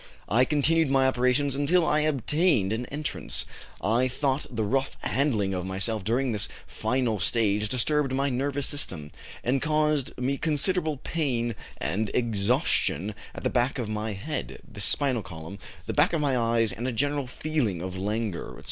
I continued my operations until I obtained an entrance. I think the rough handling of myself during this final stage disturbed my nervous system, and caused me considerable pain and exhaustion at the back of my head, the spinal column, the back of my eyes, and a general feeling of languor, etc.